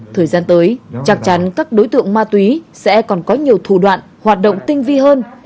thời gian tới chắc chắn các đối tượng ma túy sẽ còn có nhiều thủ đoạn hoạt động tinh vi hơn